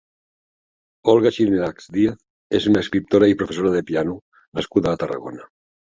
Olga Xirinacs Díaz és una escriptora i professora de piano nascuda a Tarragona.